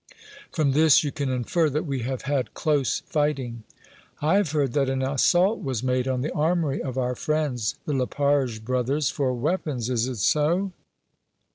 From this you can infer that we have had close fighting." "I have heard that an assault was made on the armory of our friends, the Leparge Brothers, for weapons; is it so?"